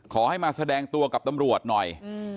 ขอให้มาแสดงตัวกับตำรวจหน่อย